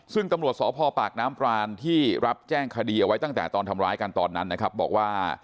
ซึ่งตำรวจสพปากน้ำปรานที่รับแจ้งคดีเอาไว้ตั้งแต่ตอนทำร้ายกันตอนนั้นนะครับบอกว่า